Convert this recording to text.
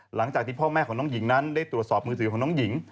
หลังจากที่พ่อแม่ของน้องหญิงนั้นได้ตรวจสอบมือถือของน้องหญิง